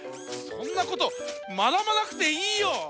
そんなことまなばなくていいよ！